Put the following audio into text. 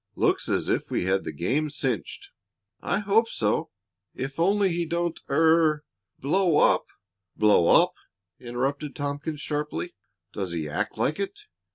"Looks as if we had the game cinched." "I hope so. If only he don't er blow up " "Blow up!" interrupted Tompkins, sharply. "Does he act like it?